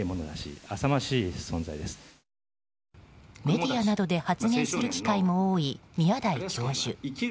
メディアなどで発言する機会も多い宮台教授。